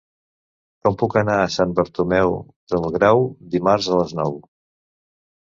Com puc anar a Sant Bartomeu del Grau dimarts a les nou?